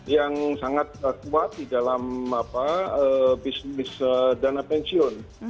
yang sangat kuat di dalam bisnis dana pensiun